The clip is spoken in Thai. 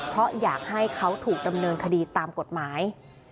เพราะอยากให้เขาถูกดำเนินคดีตามกฎหมาย